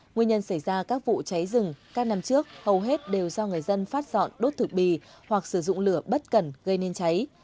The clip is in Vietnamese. nguyên nhân xảy ra các vụ cháy rừng các năm trước hầu hết đều do người dân phát dọn đốt thực bì hoặc sử dụng lửa bất cần gây nên cháy